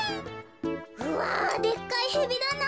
うわでっかいヘビだな。